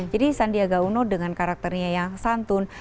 jadi sandi agak uno dengan karakternya yang santun